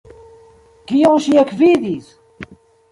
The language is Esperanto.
Kion ŝi ekvidis!